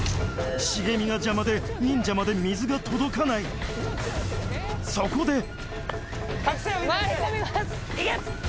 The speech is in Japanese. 茂みが邪魔で忍者まで水が届かないそこで行け！